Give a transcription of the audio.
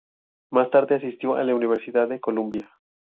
Más tarde asistió a la Universidad de Columbia.